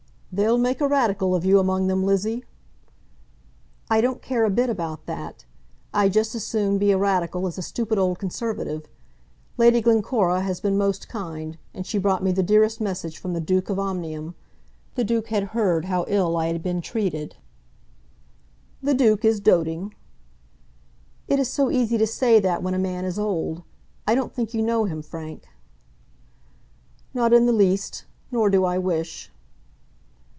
"They'll make a Radical of you among them, Lizzie." "I don't care a bit about that. I'd just as soon be a Radical as a stupid old Conservative. Lady Glencora has been most kind, and she brought me the dearest message from the Duke of Omnium. The duke had heard how ill I had been treated." "The duke is doting." "It is so easy to say that when a man is old. I don't think you know him, Frank." "Not in the least; nor do I wish."